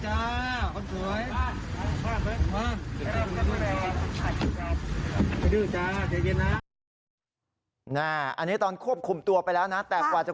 ช่วยด้วยเราอยากหนีเอานั่งรถไปส่งจ้า